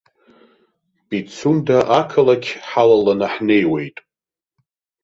Пицунда ақалақь ҳалаланы ҳнеиуеит.